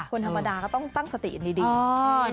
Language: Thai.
คนธรรมดาก็ต้องตั้งสติดี